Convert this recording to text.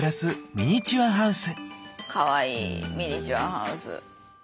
ミニチュアハウス。